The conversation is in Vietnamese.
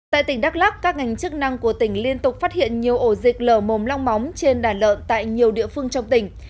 tại tỉnh đắk lắc các ngành chức năng của tỉnh liên tục phát hiện nhiều ổ dịch lở mồm long móng trên đàn lợn tại nhiều địa phương trong tỉnh